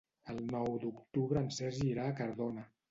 El nou d'octubre en Sergi irà a Cardona.